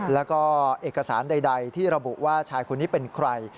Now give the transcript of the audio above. แล้วก็เอกสารใดที่ระบุว่าชายคนนี้เป็นใคร